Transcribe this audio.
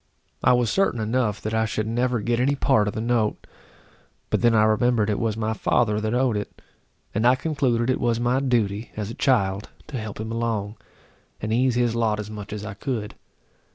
I was certain enough that I should never get any part of the note; but then I remembered it was my father that owed it, and I concluded it was my duty as a child to help him along, and ease his lot as much as I could.